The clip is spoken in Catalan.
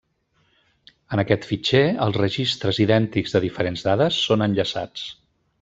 En aquest fitxer, els registres idèntics de diferents dades són enllaçats.